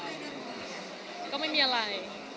หรือเปล่า